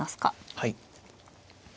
はい。